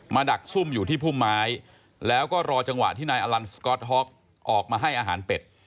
ดักซุ่มอยู่ที่พุ่มไม้แล้วก็รอจังหวะที่นายอลันสก๊อตฮ็อกออกมาให้อาหารเป็ด